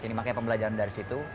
jadi makanya pembelajaran dari situ